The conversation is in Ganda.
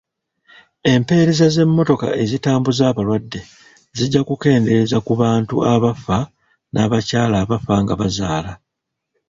Empereza z'emmotoka ezitambuza abalwadde zijja kukendeeza ku bantu abafa n'abakyala abafa nga bazaala.